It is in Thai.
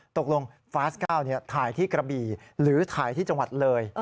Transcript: ตกลงฟาส๙ถ่ายที่กระบี่หรือถ่ายที่จังหวัดเลย